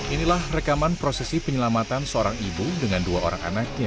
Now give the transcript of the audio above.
inilah rekaman prosesi penyelamatan seorang ibu dengan dua orang anaknya